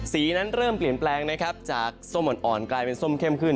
สีนั้นเริ่มเปลี่ยนแปลงนะครับจากส้มอ่อนกลายเป็นส้มเข้มขึ้น